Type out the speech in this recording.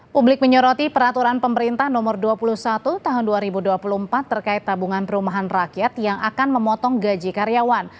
publik menyoroti peraturan pemerintah nomor dua puluh satu tahun dua ribu dua puluh empat terkait tabungan perumahan rakyat yang akan memotong gaji karyawan